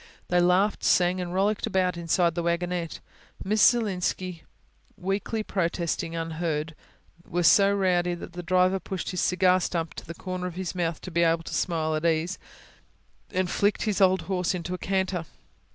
They laughed, sang, and rollicked about inside the wagonette, Miss Zielinski weakly protesting unheard were so rowdy that the driver pushed his cigar stump to the corner of his mouth, to be able to smile at ease, and flicked his old horse into a canter.